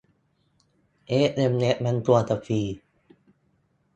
เอสเอ็มเอสมันควรจะฟรี